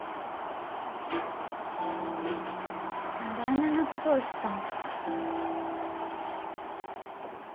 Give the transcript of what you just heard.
何であねえなことをしたん？